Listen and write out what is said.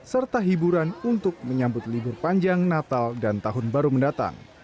serta hiburan untuk menyambut libur panjang natal dan tahun baru mendatang